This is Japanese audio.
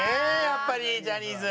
やっぱりジャニーズ。